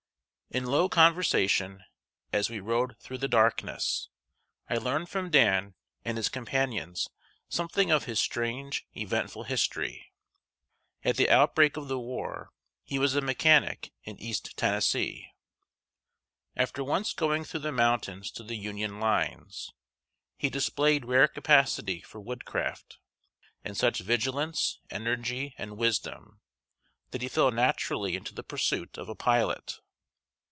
In low conversation, as we rode through the darkness, I learned from Dan and his companions something of his strange, eventful history. At the outbreak of the war, he was a mechanic in East Tennessee. After once going through the mountains to the Union lines, he displayed rare capacity for woodcraft, and such vigilance, energy, and wisdom, that he fell naturally into the pursuit of a pilot.